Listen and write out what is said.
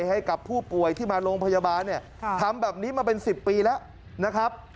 ให้กับผู้ป่วยที่มาโรงพยาบาลเนี่ยทำแบบนี้มาเป็น๑๐ปีแล้วนะครับ